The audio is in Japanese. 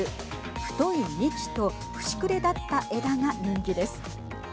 太い幹と節くれ立った枝が人気です。